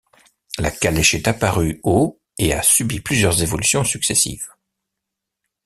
La calèche est apparue au et a subi plusieurs évolutions successives.